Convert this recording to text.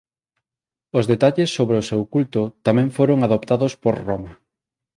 Os detalles sobre o seu culto tamén foron adoptados por Roma.